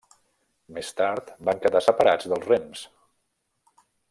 Més tard van quedar separats dels rems.